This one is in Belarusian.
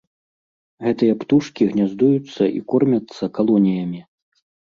Гэтыя птушкі гняздуюцца і кормяцца калоніямі.